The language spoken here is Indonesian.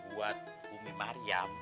buat umi mariam